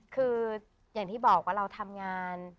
คืออย่างที่บอกว่าเราทำงาน